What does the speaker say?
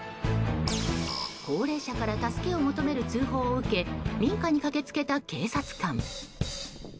高齢者から助けを求める通報を受け民家に駆け付けた警察官。